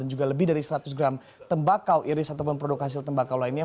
dan juga lebih dari seratus gram tembakau iris ataupun produk hasil tembakau lainnya